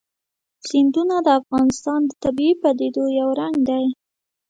سیندونه د افغانستان د طبیعي پدیدو یو رنګ دی.